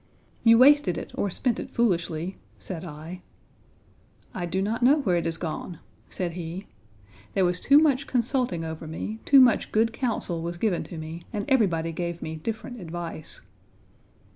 "You wasted it or spent it foolishly," said I. "I do not know where it has gone," said he. "There was too much consulting over me, too much good counsel was given to me, and everybody gave me different advice."